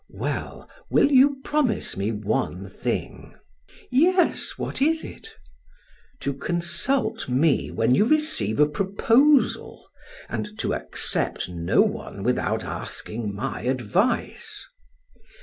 "Well, will you promise me one thing?" "Yes; what is it?" "To consult me when you receive a proposal and to accept no one without asking my advice."